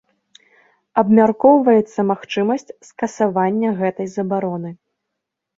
Абмяркоўваецца магчымасць скасавання гэтай забароны.